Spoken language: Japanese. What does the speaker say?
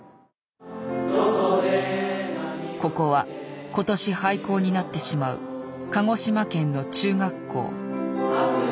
ここは今年廃校になってしまう鹿児島県の中学校。